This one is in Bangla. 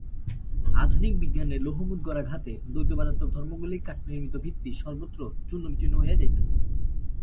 আধুনিক বিজ্ঞানের লৌহমুদ্গরাঘাতে দ্বৈতবাদাত্মক ধর্মগুলির কাচনির্মিত ভিত্তি সর্বত্র চূর্ণবিচূর্ণ হইয়া যাইতেছে।